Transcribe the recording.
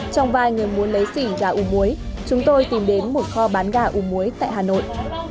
trong vai người muốn lấy xỉ gà ủ muối chúng tôi tìm đến một kho bán gà ủ muối tại hà nội